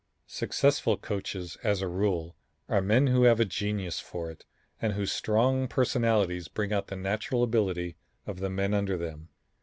Successful coaches, as a rule, are men who have a genius for it, and whose strong personalities bring out the natural ability of the men under them.